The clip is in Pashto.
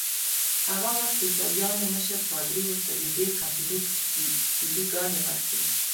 هغه وخت د عیسویانو مشر پادري ورته ددې کمپلیکس کیلې ګانې ورکړې.